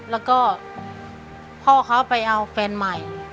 แล้วก็พ่อเขาไปเอาแฟนใหม่